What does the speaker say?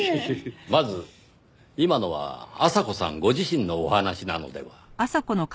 まず今のは阿佐子さんご自身のお話なのでは？